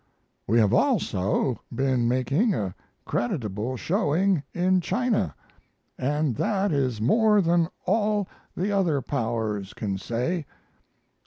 We have also been making a creditable showing in China, and that is more than all the other powers can say.